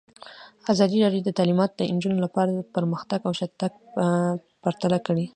ازادي راډیو د تعلیمات د نجونو لپاره پرمختګ او شاتګ پرتله کړی.